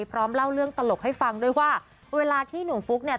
พร้อมเล่าเรื่องตลกให้ฟังด้วยว่าเวลาที่หนุ่มฟุ๊กเนี่ย